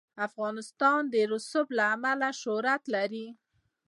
افغانستان د رسوب له امله شهرت لري.